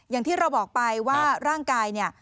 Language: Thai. อย่างที่เราบอกไปว่าร่างกายเนี่ย